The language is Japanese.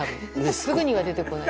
すぐには出てこない。